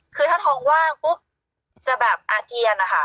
คือถ้าทองว่างปุ๊บจะแบบอาเจียนนะคะ